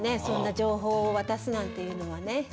そんな情報を渡すなんていうのはね。